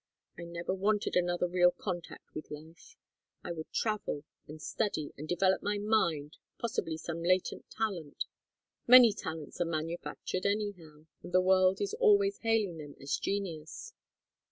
I never wanted another real contact with life. I would travel, and study, and develop my mind, possibly some latent talent. Many talents are manufactured anyhow, and the world is always hailing them as genius.